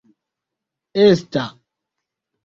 esta